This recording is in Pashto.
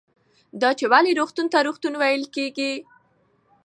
دا چې ولې روغتون ته روغتون ویل کېږي